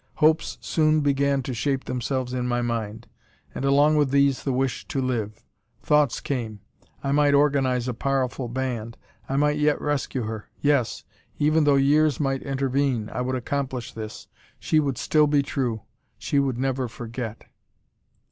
Hopes soon began to shape themselves in my mind, and along with these the wish to live. Thoughts came. I might organise a powerful band; I might yet rescue her. Yes! even though years might intervene, I would accomplish this. She would still be true! She would never forget!